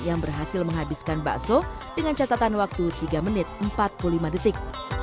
yang berhasil menghabiskan bakso dengan catatan waktu tiga menit empat puluh lima detik